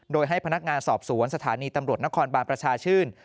โดยให้พนักงานสอบสวนสถานีตำรวจนครบานประชาชื่น